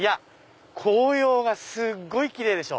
紅葉がすごいキレイでしょ。